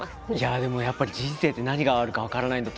でもやっぱり人生って何があるか分からないんだと。